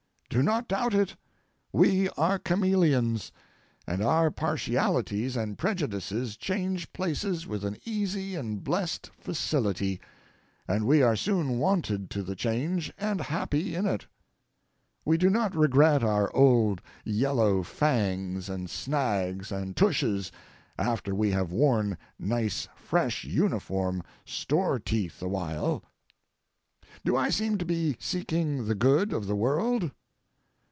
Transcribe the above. Do not doubt it. We are chameleons, and our partialities and prejudices change places with an easy and blessed facility, and we are soon wonted to the change and happy in it. We do not regret our old, yellow fangs and snags and tushes after we have worn nice, fresh, uniform store teeth a while. Do I seem to be seeking the good of the world?